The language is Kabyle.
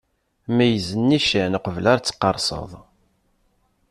Meyyez nnican, uqbel ad tqerseḍ!